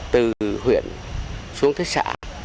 từ huyện xuống thế xã